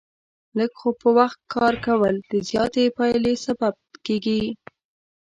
لږ خو په وخت کار کول، د زیاتې پایلې سبب کېږي.